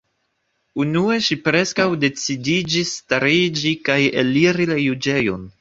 Unue ŝi preskaŭ decidiĝis stariĝi kaj eliri la juĝejon.